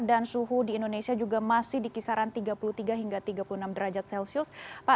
dan suhu di indonesia juga masih di kisaran tiga puluh tiga hingga tiga puluh enam derajat celcius